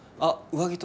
上着と